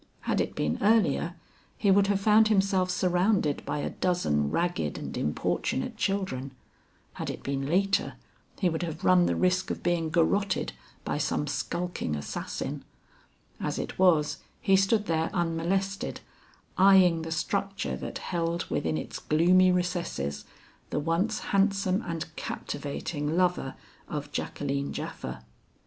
Had it been earlier, he would have found himself surrounded by a dozen ragged and importunate children; had it been later, he would have run the risk of being garroted by some skulking assassin; as it was, he stood there unmolested, eying the structure that held within its gloomy recesses the once handsome and captivating lover of Jacqueline Japha.